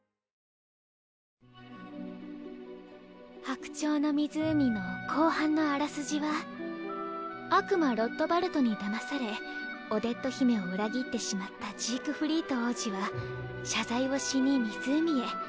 「白鳥の湖」の後半のあらすじは悪魔ロットバルトにだまされオデット姫を裏切ってしまったジークフリート王子は謝罪をしに湖へ。